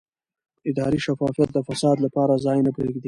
اداري شفافیت د فساد لپاره ځای نه پرېږدي